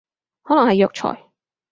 可能係藥材